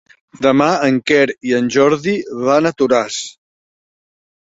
Demà en Quer i en Jordi van a Toràs.